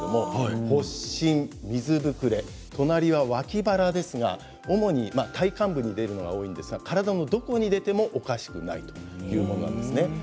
発疹、水ぶくれ、隣は脇腹ですが主に体幹部に出るのが多いんですが体のどこに出てもおかしくないということなんです。